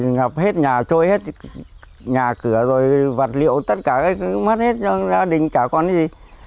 ngập hết nhà trôi hết nhà cửa rồi vật liệu tất cả cũng mất hết cho gia đình cả con gì